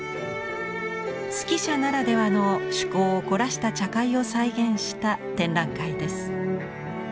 数寄者ならではの趣向を凝らした茶会を再現した展覧会です。